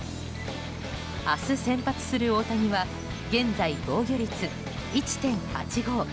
明日、先発する大谷は、現在防御率１．８５。